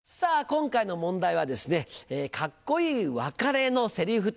今回の問題はですね「カッコいい別れのセリフとは？」。